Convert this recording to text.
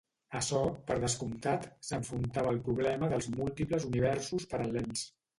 Açò, per descomptat, s'enfrontava al problema dels múltiples universos paral·lels.